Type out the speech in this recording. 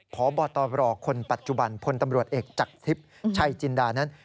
พบตรคนปัจจุบันพลตำรวจเอกจากทิพย์ชัยจินดานั้น